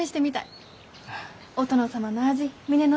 お殿様の味峰乃